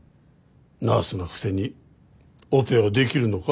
ナースのくせにオペができるのか？